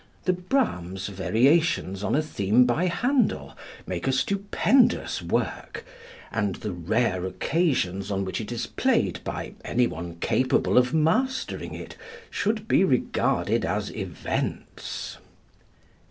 The Brahms Variations on a theme by Händel make a stupendous work, and the rare occasions on which it is played by any one capable of mastering it should be regarded as "events."